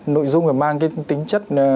nội dung mà mang cái tính chất